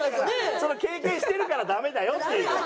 それ経験してるからダメだよっていう。